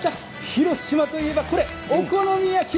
広島といえば、お好み焼き。